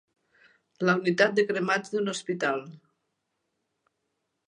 La unitat de cremats d'un hospital.